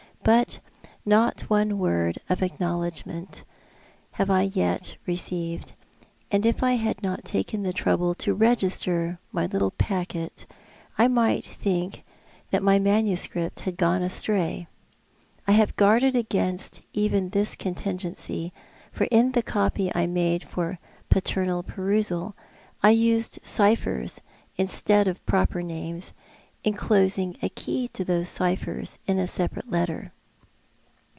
But not one word of acknow 2i8 Thou art the Man. ledgment have I yet received, aud if I had not taken the trouble to register my little packet I might think that my manuscrij)t liad gone astray. I have guarded against even this contingency, for in the coj^y I made for paternal perusal I used ciphers instead of i^roper names, enclosing a key to those ciphers in a separate letter.